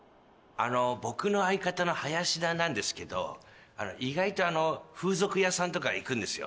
あの僕の相方の林田なんですけど意外と風俗屋さんとか行くんですよ